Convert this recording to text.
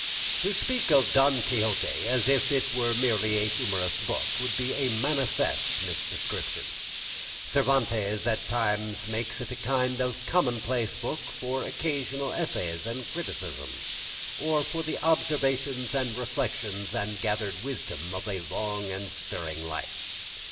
To speak of "Don Quixote" as if it were merely a humorous book would be a manifest misdescription. Cervantes at times makes it a kind of commonplace book for occasional essays and criticisms, or for the observations and reflections and gathered wisdom of a long and stirring life.